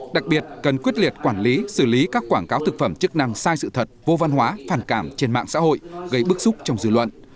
đặc biệt cần quyết liệt quản lý xử lý các quảng cáo thực phẩm chức năng sai sự thật vô văn hóa phản cảm trên mạng xã hội gây bức xúc trong dư luận